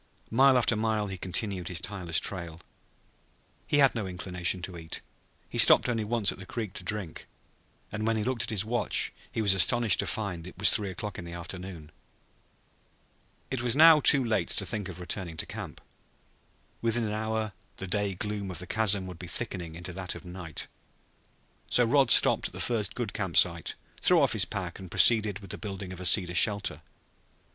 Mile after mile he continued his tireless trail. He had no inclination to eat. He stopped only once at the creek to drink. And when he looked at his watch he was astonished to find that it was three o'clock in the afternoon. It was now too late to think of returning to camp. Within an hour the day gloom of the chasm would be thickening into that of night. So Rod stopped at the first good camp site, threw off his pack, and proceeded with the building of a cedar shelter.